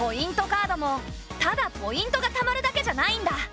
カードもただポイントがたまるだけじゃないんだ。